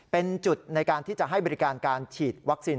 เป็นจุดในการที่จะให้บริการการฉีดวัคซีน